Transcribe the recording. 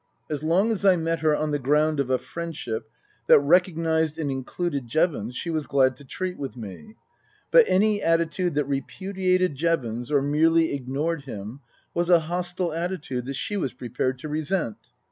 As long as I met her on the ground of a friendship that recognized and included Jevons she was glad to treat with me ; but any attitude that repudiated Jevons, or merely ignored him, was a hostile attitude that she was prepared to resent.